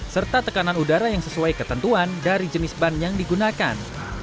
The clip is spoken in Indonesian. serta tekanan udara yang sesuai ketentuan dari jenis ban yang digunakan